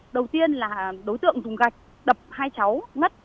đầu tiên là đối tượng dùng gạch đập hai cháu ngất